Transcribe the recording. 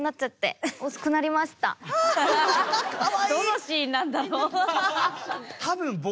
どのシーンなんだろう？